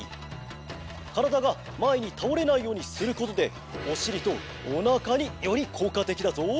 からだがまえにたおれないようにすることでおしりとおなかによりこうかてきだぞ。